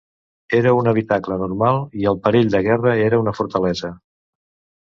Era un habitacle normal i, en perill de guerra, era una fortalesa.